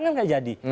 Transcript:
kan tidak jadi